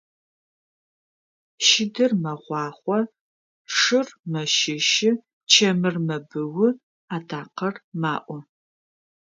Щыдыр мэгъуахъо, шыр мэщыщы, чэмыр мэбыу, атакъэр маӀо.